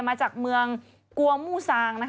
มาจากเมืองกัวมู่ซาง